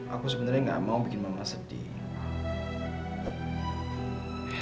aku sebenarnya gak mau bikin mama sedih